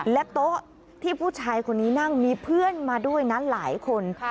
และโต๊ะที่ผู้ชายคนนี้นั่งมีเพื่อนมาด้วยนั้นหลายคน